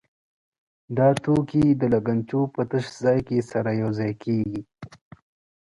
دا توکي د لګنچو په تش ځای کې سره یو ځای کېږي.